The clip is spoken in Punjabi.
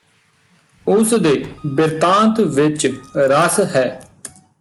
ਉਸ ਦੇ ਬਿਰਤਾਂਤ ਵਿੱਚ ਰਸ ਹੈ